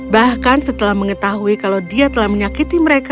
bahkan setelah mengetahui kalau dia telah menyakiti mereka